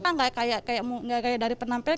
nggak kayak dari penampilan